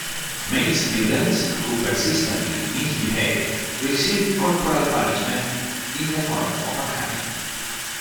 Male students who persistently misbehave receive corporal punishment in the form of a caning.